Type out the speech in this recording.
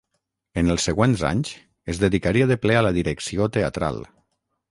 En els següents anys, es dedicaria de ple a la direcció teatral.